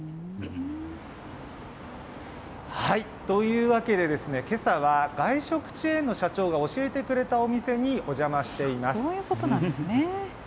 というわけで、けさは外食チェーンの社長が教えてくれたお店にお邪魔しています。